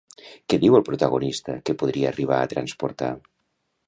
Què diu el protagonista que podria arribar a transportar?